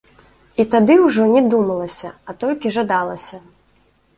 І тады ўжо не думалася, а толькі жадалася.